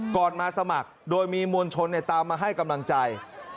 มาสมัครโดยมีมวลชนตามมาให้กำลังใจ